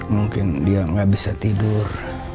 mungkin dia nggak bisa tidur